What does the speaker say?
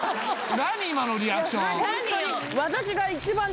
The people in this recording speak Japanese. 何今のリアクション・何よ